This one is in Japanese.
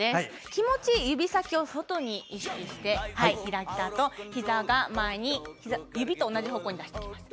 気持ち、指先を外に意識して開いたあとひざを曲げて指と同じ方向に出していきます。